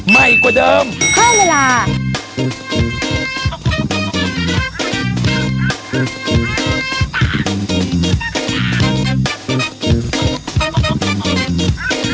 ไม่กว่าดี